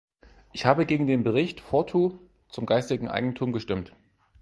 Ich habe gegen den Bericht Fourtou zum geistigen Eigentum gestimmt.